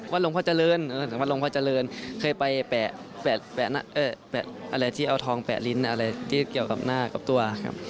วัดลงพระเจริญเคยไปแปะทองแปะลิ้นอะไรที่เกี่ยวกับหน้ากับตัวครับ